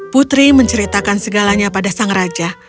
putri menceritakan segalanya pada sang raja